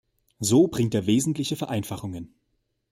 So bringt er wesentliche Vereinfachungen.